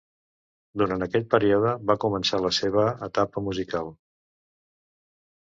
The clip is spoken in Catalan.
Durant aquell període va començar la seva etapa musical.